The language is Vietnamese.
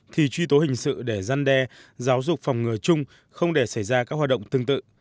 thì truy tố hình sự để gian đe giáo dục phòng ngừa chung không để xảy ra các hoạt động tương tự